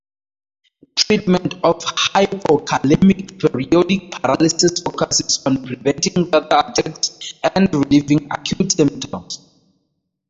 Treatment of hypokalemic periodic paralysis focuses on preventing further attacks and relieving acute symptoms.